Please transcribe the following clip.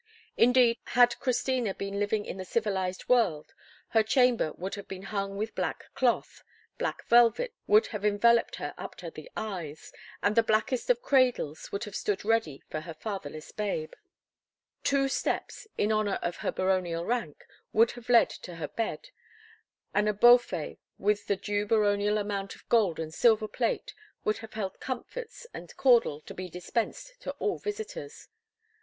Indeed, had Christina been living in the civilized world, her chamber would have been hung with black cloth, black velvet would have enveloped her up to the eyes, and the blackest of cradles would have stood ready for her fatherless babe; two steps, in honour of her baronial rank, would have led to her bed, and a beaufet with the due baronial amount of gold and silver plate would have held the comfits and caudle to be dispensed to all visitors.